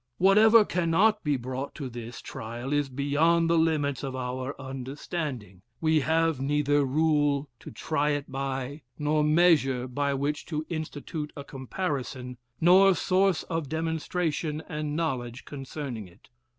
Whatever cannot be brought to this trial is beyond the limits of our understanding: we have neither rule to try it by, nor measure by which to institute a comparison, nor source of demonstration and knowledge concerning it.